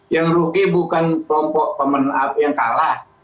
yang rugi bukan kelompok pemenang yang kalah